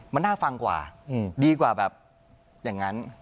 มันน่าฟังกว่าดีกว่าแบบอย่างนั้น